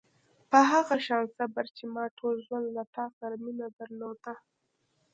په هغه شان صبر چې ما ټول ژوند له تا سره مینه درلوده.